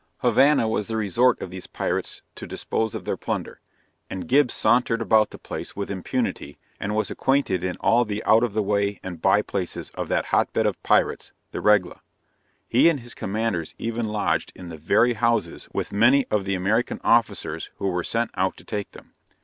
Havana was the resort of these pirates to dispose of their plunder; and Gibbs sauntered about this place with impunity and was acquainted in all the out of the way and bye places of that hot bed of pirates the Regla. He and his comrades even lodged in the very houses with many of the American officers who were sent out to take them.